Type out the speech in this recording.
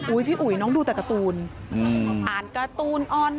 อุ้ยพี่อุ๋ยน้องดูแต่การ์ตูน